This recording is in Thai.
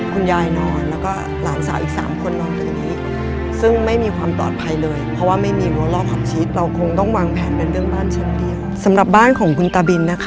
คุณยายนอนแล้วก็หลานสาวอีก๓คนนอนตรงนี้